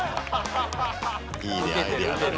いいね、アイデアだね。